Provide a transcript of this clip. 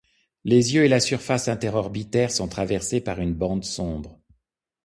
Les yeux et la surface inter-orbitaire sont traversés par une bande sombre.